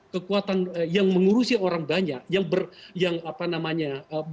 kekuatan yang mengurusi orang banyak yang apa namanya